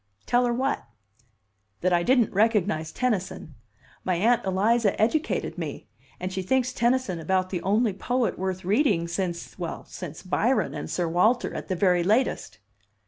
"Tell her what?" "That I didn't recognize Tennyson. My Aunt Eliza educated me and she thinks Tennyson about the only poet worth reading since well, since Byron and Sir Walter at the very latest!"